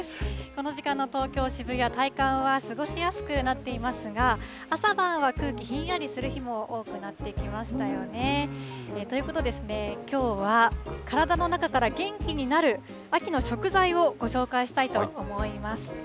この時間の東京・渋谷、体感は過ごしやすくなっていますが、朝晩は空気ひんやりする日も多くなってきましたよね。ということでですね、きょうは体の中から元気になる、秋の食材をご紹介したいと思います。